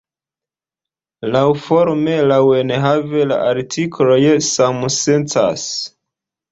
Laŭforme, laŭenhave, la artikoloj samsencas.